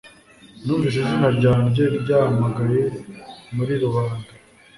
Numvise izina ryanjye ryahamagaye muri rubanda